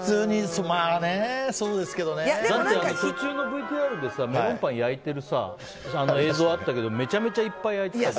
だって途中のＶＴＲでメロンパン焼いてる映像があったけどめちゃめちゃいっぱい焼いてた。